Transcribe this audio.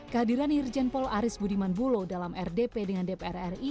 kehadiran irjen paul aris budiman bulo dalam rdp dengan dpr ri